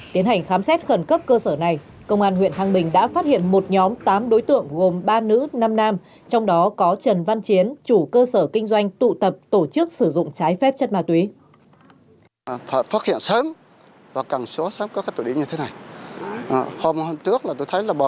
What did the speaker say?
tiến hành khám xét khẩn cấp cơ sở này công an huyện thăng bình đã phát hiện một nhóm tám đối tượng gồm ba nữ năm nam trong đó có trần văn chiến chủ cơ sở kinh doanh tụ tập tổ chức sử dụng trái phép chất ma túy